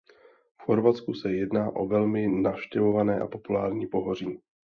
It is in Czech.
V Chorvatsku se jedná o velmi navštěvované a populární pohoří.